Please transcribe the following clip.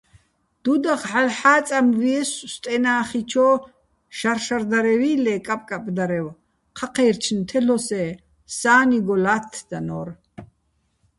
დუდახ ჰ̦ალო̆ ჰ̦ა́წამვიესო̆ სტენა́ხიჩო́ შარშარდარევი́ ლე კაპკაპდარევ: ჴაჴაჲრჩნ თელ'ოსე́, სა́ნიგო ლა́თთდანორ.